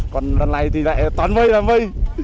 còn lần này thì lại toàn mây là mây